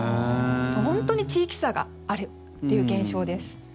本当に地域差があるという現象です。